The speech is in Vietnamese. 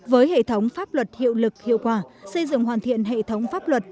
với hệ thống pháp luật hiệu lực hiệu quả xây dựng hoàn thiện hệ thống pháp luật